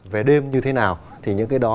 về đêm như thế nào thì những cái đó